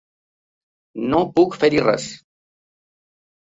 No puc fer-hi res.